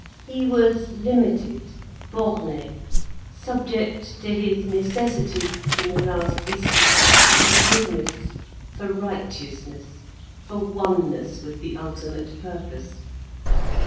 He was limited, borné, subject to his necessity, in the last issue, for goodness, for righteousness, for oneness with the ultimate purpose.